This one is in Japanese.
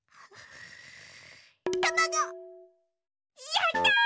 やった！